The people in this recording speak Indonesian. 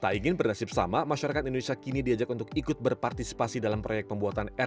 tak ingin berdasar bersama masyarakat indonesia kini diajak untuk ikut berpartisipasi dalam proyek pembuatan r delapan puluh